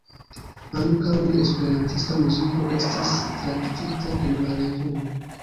Ankaŭ ne-esperantista muziko estis traktita en la revuo.